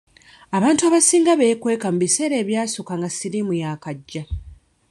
Abantu abasinga beekweka mu biseera ebyasooka nga siriimu yaakajja.